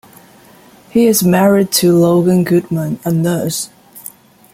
He is married to Logan Goodman, a nurse.